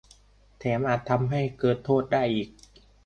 - แถมอาจทำให้เกิดโทษได้อีก